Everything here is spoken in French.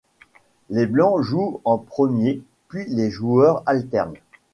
Les blancs jouent en premier puis les joueurs alternent.